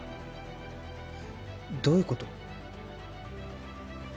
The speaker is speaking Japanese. どういうこと？